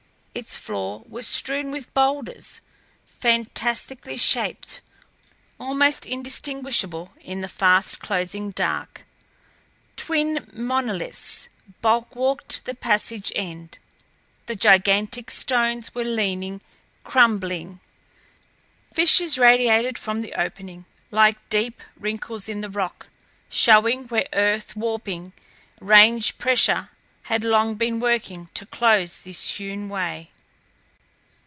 Its floor was strewn with boulders, fantastically shaped, almost indistinguishable in the fast closing dark. Twin monoliths bulwarked the passage end; the gigantic stones were leaning, crumbling. Fissures radiated from the opening, like deep wrinkles in the rock, showing where earth warping, range pressure, had long been working to close this hewn way.